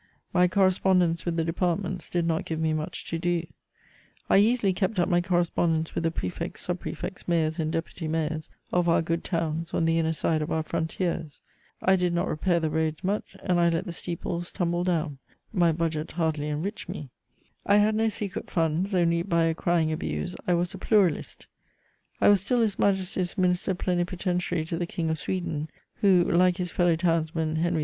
_ My correspondence with the "departments" did not give me much to do; I easily kept up my correspondence with the prefects, sub prefects, mayors and deputy mayors of our good towns, on the inner side of our frontiers; I did not repair the roads much, and I let the steeples tumble down; my budget hardly enriched me; I had no secret funds; only, by a crying abuse, I was a "pluralist:" I was still His Majesty's Minister Plenipotentiary to the King of Sweden, who, like his fellow townsman Henry IV.